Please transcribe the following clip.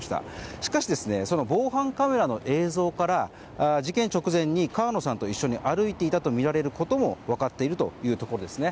しかし、防犯カメラの映像から事件直前に川野さんと一緒に歩いていたとみられることも分かっているというところですね。